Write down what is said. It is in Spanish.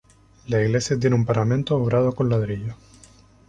La iglesia tiene un paramento obrado con ladrillo.